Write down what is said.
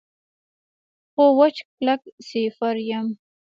خو وچ کلک سیفور یم.